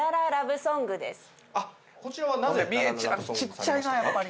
ちっちゃいなやっぱり。